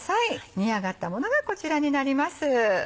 煮上がったものがこちらになります。